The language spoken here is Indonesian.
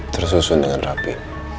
tersusun dengan rapi